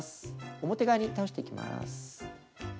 表側に倒していきます。